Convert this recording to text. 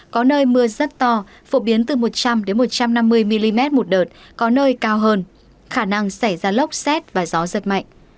có nơi mưa rất to phổ biến từ một trăm linh một trăm năm mươi mm một đợt có nơi cao hơn khả năng xảy ra lốc xét và gió giật mạnh